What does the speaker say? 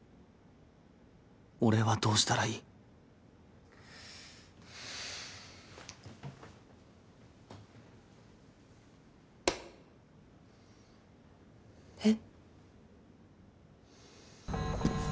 俺はどうしたらいい？えっ？